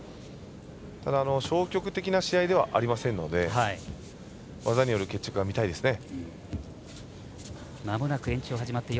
ただ消極的な試合ではありませんので技による決着が見たいですね。